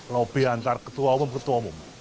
lobby antar ketua umum ketua umum